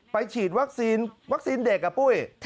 ไปฉีดวัคซีนเด็กกับปุ้ย